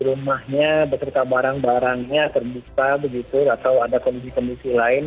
kondisi rumahnya bercerita barang barangnya serbukta begitu atau ada kondisi kondisi lain